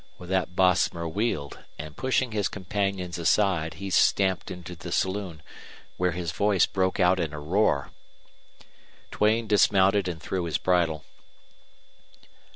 With that Bosomer wheeled and, pushing his companions aside, he stamped into the saloon, where his voice broke out in a roar. Duane dismounted and threw his bridle.